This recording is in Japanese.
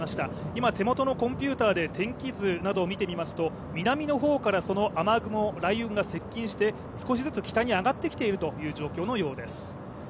今、手元のコンピューターで天気図などを見てみますと南の方からその雨雲、雷雲が接近して少しずつ北に上がってきているという状況のようです。